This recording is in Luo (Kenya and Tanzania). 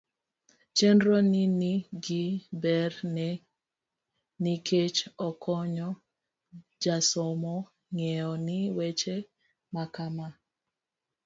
chenro ni ni gi ber ne nikech okonyo jasomo ng'eyo ni weche makama